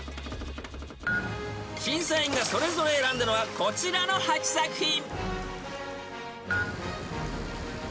［審査員がそれぞれ選んだのはこちらの８作品］